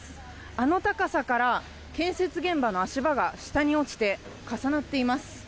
あの高さから建設現場の足元が下に落ちて重なっています。